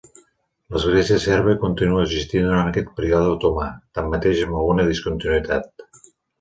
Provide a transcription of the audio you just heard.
L'Església Sèrbia continua existint durant aquest període otomà, tanmateix amb alguna discontinuïtat.